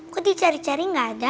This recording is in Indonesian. kok dicari cari nggak ada